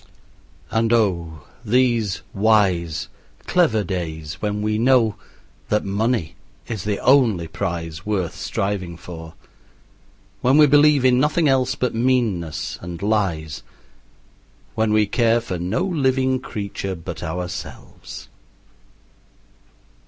And oh, these wise, clever days when we know that money is the only prize worth striving for, when we believe in nothing else but meanness and lies, when we care for no living creature but ourselves!